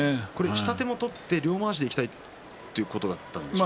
下手も取って両まわしでいきたいということだったんでしょうか。